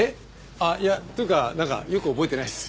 あっいやというかなんかよく覚えてないです。